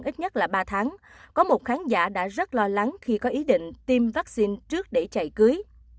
ít nhất là ba tháng có một khán giả đã rất lo lắng khi có ý định tiêm vaccine trước để chạy cưới